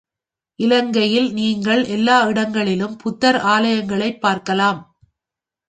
இலங்கையில் நீங்கள் எல்லா இடங்களிலும் புத்தர் ஆலயங்களைப் பார்க்கலாம்.